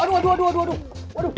aduh aduh aduh aduh aduh aduh